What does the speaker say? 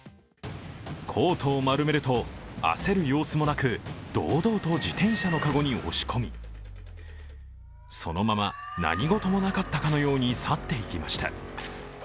コートを丸めると、焦る様子もなく堂々と自転車の籠に押し込みそのまま何事もなかったかのように去っていきました。